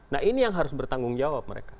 nah ini yang harus bertanggung jawab mereka